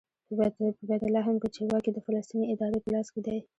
په بیت لحم کې چې واک یې د فلسطیني ادارې په لاس کې دی.